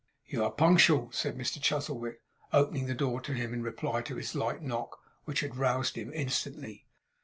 'You are punctual,' said Mr Chuzzlewit, opening the door to him in reply to his light knock, which had roused him instantly.